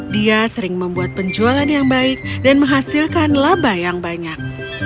dia sering membuat penjualan yang baik dan menghasilkan laba yang banyak